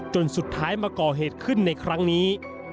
จนสุดท้ายมาก่อเหตุขึ้นในครั้งนี้